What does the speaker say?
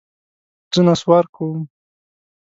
زه نسوار کوم.